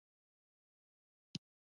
آزاد تجارت مهم دی ځکه چې جنګونه کموي.